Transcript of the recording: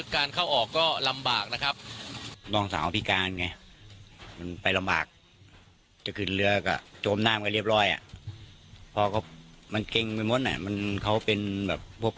การเข้าออกก็ลำบากนะครับ